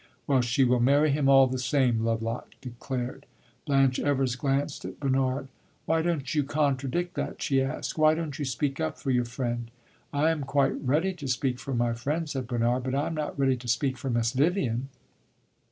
"Well, she will marry him all the same," Lovelock declared. Blanche Evers glanced at Bernard. "Why don't you contradict that?" she asked. "Why don't you speak up for your friend?" "I am quite ready to speak for my friend," said Bernard, "but I am not ready to speak for Miss Vivian."